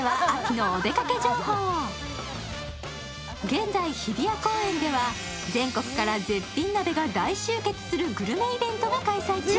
現在、日比谷公園では、全国から絶品鍋が大集結するグルメイベントが開催中。